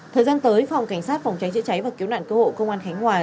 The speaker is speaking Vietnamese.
thời gian tới phòng cảnh sát phòng trái chữa cháy và cứu nạn cơ hội công an khánh hòa